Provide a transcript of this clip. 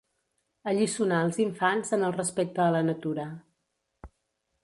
Alliçonar els infants en el respecte a la natura.